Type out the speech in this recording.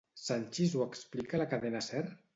Sanchis ho explica a la Cadena Ser?